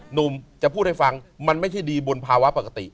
หนุ่มจะพูดให้ฟังมันไม่ใช่ดีบนภาวะปกติ